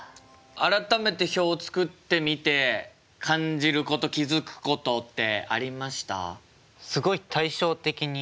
改めて表を作ってみて感じること気付くことってありました？